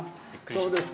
そうですか。